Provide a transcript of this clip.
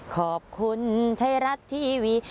ขอบคุณไทยรัฐทีวี